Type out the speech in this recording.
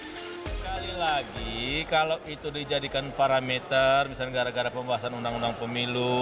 sekali lagi kalau itu dijadikan parameter misalnya gara gara pembahasan undang undang pemilu